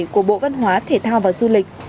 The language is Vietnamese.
của bộ văn hóa thể thao và du lịch